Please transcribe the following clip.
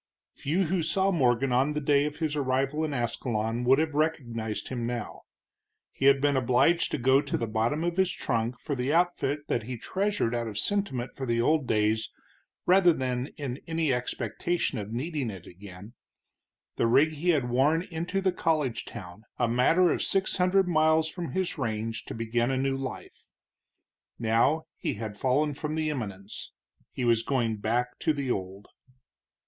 Few who saw Morgan on the day of his arrival in Ascalon would have recognized him now. He had been obliged to go to the bottom of his trunk for the outfit that he treasured out of sentiment for the old days rather than in any expectation of needing it again the rig he had worn into the college town, a matter of six hundred miles from his range, to begin a new life. Now he had fallen from the eminence. He was going back to the old.